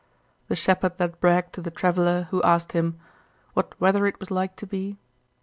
The shepherd that bragged to the traveller, who asked him, "What weather it was like to be?"